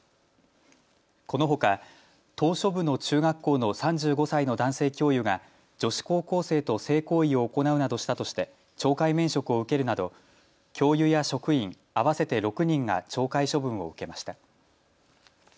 このほか、島しょ部の中学校の３５歳の男性教諭が女子高校生と性行為を行うなどしたとして懲戒免職を受けるなど教諭や職員、合わせて６人が懲戒処分を受けました。